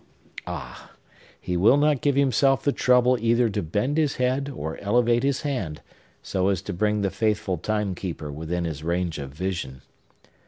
Ah; he will not give himself the trouble either to bend his head, or elevate his hand, so as to bring the faithful time keeper within his range of vision!